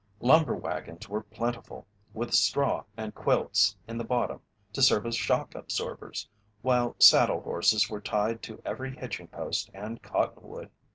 Lumber wagons were plentiful, with straw and quilts in the bottom to serve as shock absorbers, while saddle horses were tied to every hitching post and cottonwood.